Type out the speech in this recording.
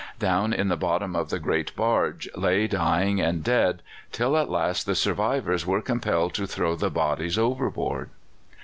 Down in the bottom of the great barge lay dying and dead, till at last the survivors were compelled to throw the bodies overboard.